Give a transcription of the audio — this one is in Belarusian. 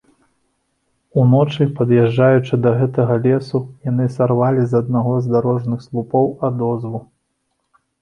Уночы, пад'язджаючы да гэтага лесу, яны сарвалі з аднаго з дарожных слупоў адозву.